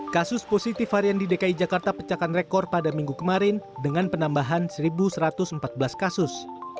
kasus positif varian di dki jakarta pecahkan rekor pada minggu kemarin dengan penambahan satu satu ratus empat belas kasus